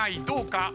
どうか？